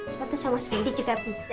sama sama sama svendy juga bisa